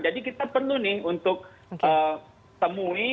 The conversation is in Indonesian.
jadi kita perlu nih untuk temui